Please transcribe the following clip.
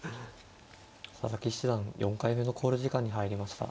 佐々木七段４回目の考慮時間に入りました。